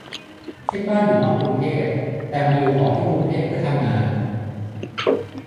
เช่นบ้านอยู่นอกกรุงเทพ แต่มาอยู่หอที่กรุงเทพเพื่อทำงาน